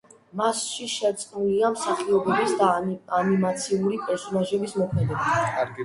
მასში შერწყმულია მსახიობების და ანიმაციური პერსონაჟების მოქმედება.